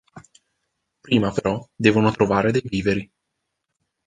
Prima però devono trovare dei viveri.